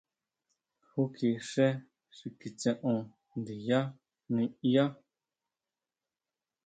¿Júkji xé xi kitseon ndiyá niʼyaá?